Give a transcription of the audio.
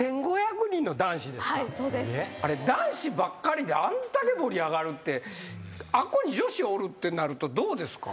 あれ男子ばっかりであんだけ盛り上がるってあっこに女子おるってなるとどうですか？